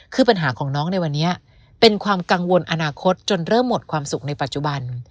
คือปัญหาของน้องในวันนี้เป็นความกังวลอนาคตจนเริ่มหมดความสุขในปัจจุบัน